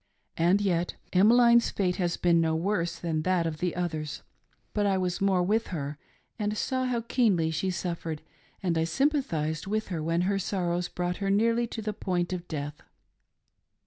And yet Emmeline's fate has been no worse than that of the others ; but I was more with her, and saw how keenly she suffered, and I sympathised with her when her sorrows brought her nearly to the point of death.